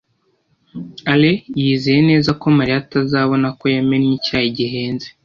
alain yizeye neza ko mariya atazabona ko yamennye icyayi gihenze